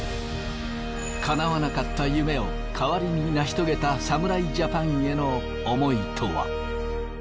かなわなかった夢を代わりに成し遂げた侍ジャパンへの思いとは。